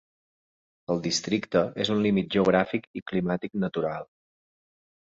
El districte és en un límit geogràfic i climàtic natural.